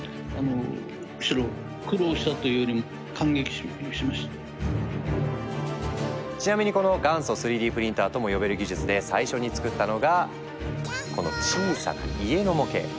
そしたらちなみにこの「元祖３Ｄプリンター」とも呼べる技術で最初に作ったのがこの小さな家の模型。